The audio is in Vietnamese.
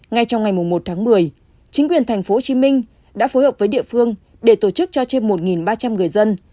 ngay trong ngày một tháng một mươi chính quyền tp hcm đã phối hợp với địa phương để tổ chức cho trên một ba trăm linh người dân